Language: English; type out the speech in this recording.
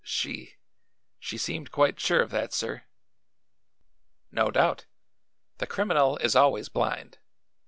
"She she seemed quite sure of that, sir." "No doubt. The criminal is always blind.